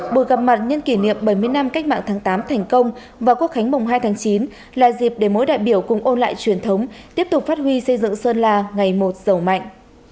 buổi gặp mặt nhân kỷ niệm bảy mươi năm cách mạng tháng tám thành công và quốc khánh mùng hai tháng chín là dịp để mỗi đại biểu cùng ôn lại truyền thống tiếp tục phát huy xây dựng sơn la ngày một giàu mạnh